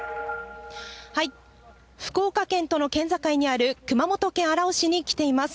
福岡県との県境にある熊本県荒尾市に来ています。